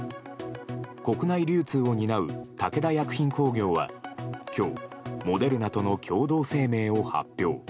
国内流通を担う武田薬品工業は今日、モデルナとの共同声明を発表。